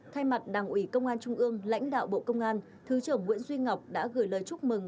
thay mặt đảng ủy công an trung ương lãnh đạo bộ công an thứ trưởng nguyễn duy ngọc đã gửi lời chúc mừng